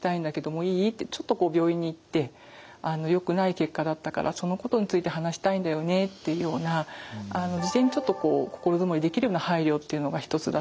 ちょっと病院に行ってよくない結果だったからそのことについて話したいんだよね」っていうような事前にちょっと心づもりできるような配慮っていうのが一つだと思いますね。